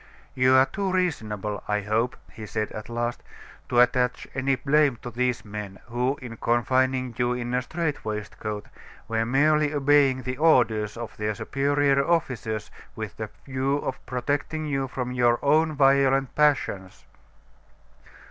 "You are too reasonable, I hope," he said, at last, "to attach any blame to these men, who, in confining you in a strait waistcoat, were merely obeying the orders of their superior officers with the view of protecting you from your own violent passions."